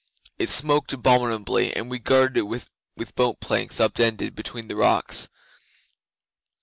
It smoked abominably, and we guarded it with boat planks up ended between the rocks.